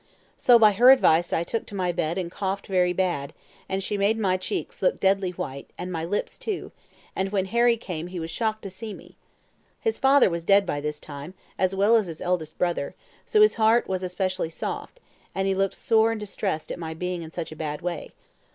So by her advice I took to my bed and coughed very bad, and she made my cheeks look deadly white, and my lips too; and when Harry came he was shocked to see me. His father was dead by this time, as well as his eldest brother, so his heart was especial soft, and he looked sore distressed at my being in such a bad way.